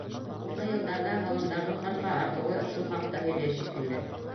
Һуңғы йылдарҙа һалымдарҙың ҡырҡа артыуы шул хаҡта һөйләй шикелле.